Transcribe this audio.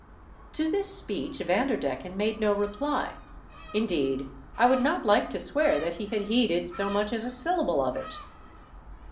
To this speech Vanderdecken made no re ply ; indeed, I would not like to swear that he had heeded so much as a syllable of it.